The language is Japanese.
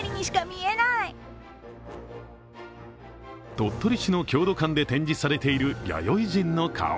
鳥取市の郷土館で展示されている弥生人の顔。